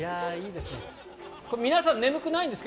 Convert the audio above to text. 皆さん、眠くないんですか？